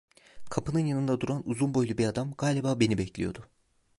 Kapının yanında duran uzun boylu bir adam, galiba beni bekliyordu.